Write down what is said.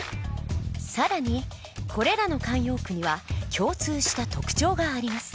更にこれらの慣用句には共通した特徴があります。